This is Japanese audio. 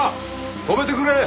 止めてくれ！